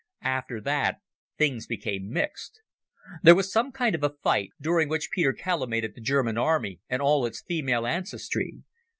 After that things became mixed. There was some kind of a fight, during which Peter calumniated the German army and all its female ancestry.